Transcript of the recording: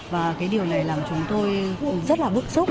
và cái điều này làm chúng tôi rất là bự súc